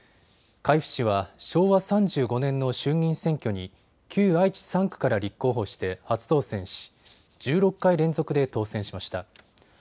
海部氏は昭和３５年の衆議院選挙に旧愛知３区から立候補して初当選し、１６回連続で当選しました。